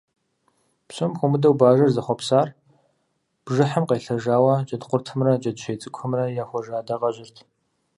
Псом хуэмыдэу бажэр зэхъуэпсар бжыхьым къелъэжауэ джэдкъуртымрэ джэджьей цӀыкӀухэмрэ яхуэжэ адакъэжьырт.